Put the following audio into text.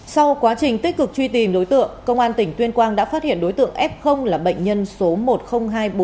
sau quá trình tích cực truy tìm đối tượng công an tỉnh tuyên quang đã phát hiện đối tượng f là bệnh nhân số một nghìn hai trăm bốn mươi bốn